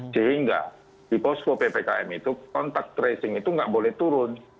sehingga di posko ppkm itu kontak tracing itu nggak boleh turun